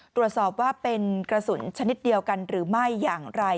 ตรวจสอบว่าเป็นกระสุนชนิดเดียวกันหรือไม่อย่างไร